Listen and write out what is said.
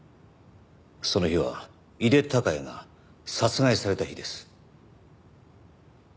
その日は井手孝也が殺害された日です。